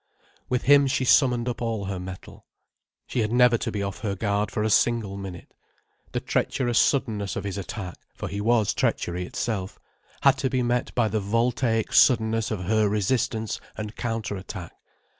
With him, she summoned up all her mettle. She had never to be off her guard for a single minute. The treacherous suddenness of his attack—for he was treachery itself—had to be met by the voltaic suddenness of her resistance and counter attack.